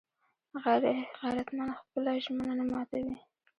غیرتمند خپله ژمنه نه ماتوي